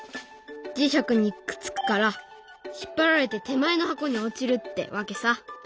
磁石にくっつくから引っ張られて手前の箱に落ちるってわけさ。